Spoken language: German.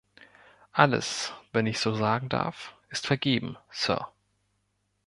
Alles, wenn ich so sagen darf, ist vergeben, Sir.